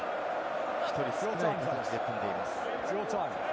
１人少ない形で組んでいます。